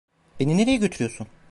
Beni nereye götürüyorsun?